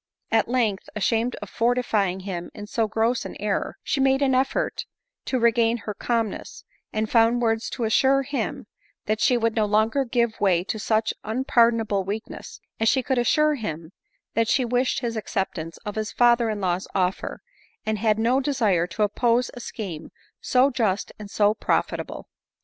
At length, ashamed of fortifying him in so gross an error, die made an effort to regain her calmness, and found words to as sure him, that she would no longer give way to such un pardonable weakness, as she could assure him that she wished his acceptance of his father in law's offer, and had no desire to oppose a scheme so just and so profit able.